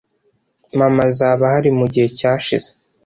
mama azaba ahari mugihe cyashize